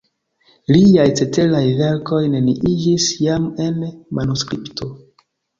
Liaj ceteraj verkoj neniiĝis jam en manuskripto.